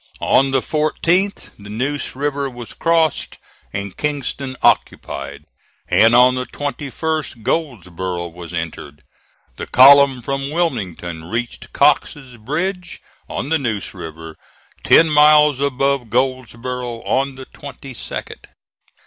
On the 14th the Neuse River was crossed and Kinston occupied, and on the 21st Goldsboro' was entered. The column from Wilmington reached Cox's Bridge, on the Neuse River, ten miles above Goldsboro', on the 22d.